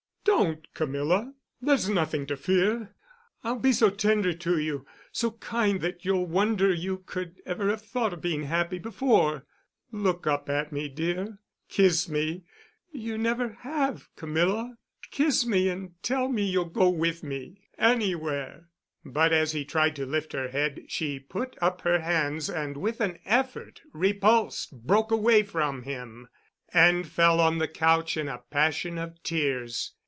"Don't, Camilla—there's nothing to fear. I'll be so tender to you—so kind that you'll wonder you could ever have thought of being happy before. Look up at me, dear. Kiss me. You never have, Camilla. Kiss me and tell me you'll go with me—anywhere." But as he tried to lift her head she put up her hands and with an effort repulsed—broke away from—him and fell on the couch in a passion of tears.